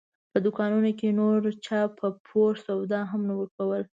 په دوکانونو کې نور چا په پور سودا هم نه ورکوله.